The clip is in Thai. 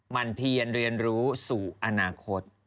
มันเพียนเรียนรู้สู่อนาคต